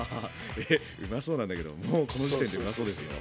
えうまそうなんだけどもうこの時点でうまそうですよ。